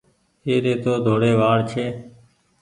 اي ري تو ڌوڙي وآڙ ڇي۔